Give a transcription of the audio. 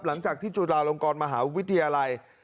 หลังจากที่จุฬาลงกรมหาวิทยาลัย